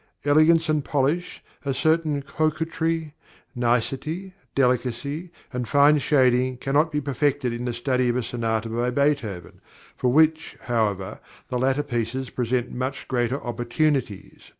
Elegance and polish, a certain coquetry, nicety, delicacy, and fine shading cannot be perfected in the study of a sonata by Beethoven; for which, however, the latter pieces present much greater opportunities.